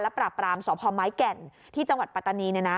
ปราบรามสพไม้แก่นที่จังหวัดปัตตานี